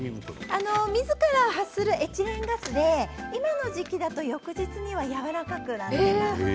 自ら発するエチレンガスで今の時期だと翌日にはやわらかくなってます。